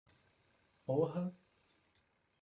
Porra!